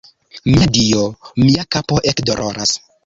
Mia Dio, mia kapo ekdoloras